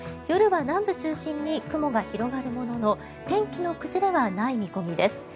夜は南部中心に雲が広がるものの天気の崩れはない見込みです。